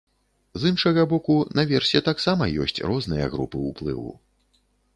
З іншага боку, наверсе таксама ёсць розныя групы ўплыву.